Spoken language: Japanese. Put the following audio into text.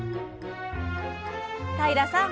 平さん